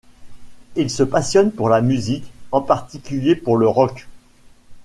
Ils se passionnent pour la musique, en particulier pour le rock.